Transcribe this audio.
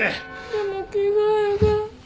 でも着替えが。